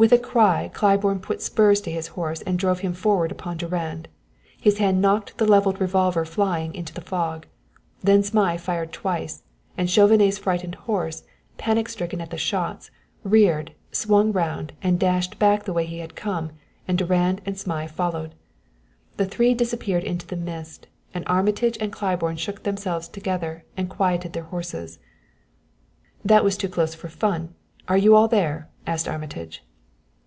With a cry Claiborne put spurs to his horse and drove him forward upon Durand. His hand knocked the leveled revolver flying into the fog. Then Zmai fired twice, and Chauvenet's frightened horse, panic stricken at the shots, reared, swung round and dashed back the way he had come, and Durand and Zmai followed. The three disappeared into the mist, and Armitage and Claiborne shook themselves together and quieted their horses. "That was too close for fun are you all there?" asked Armitage.